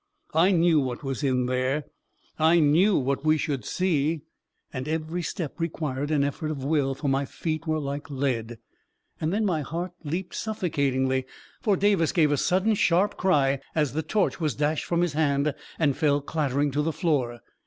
I knew what was there — I knew what we should see — A KING IN BABYLON 317 and every step required an effort of will, for my feet were like lead. And then my heart leaped suffo catingly, for Davis gave a sudden, sharp cry, as the torch was dashed from his hand and fell clattering to the floor.